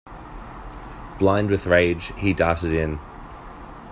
Blind with rage, he darted in.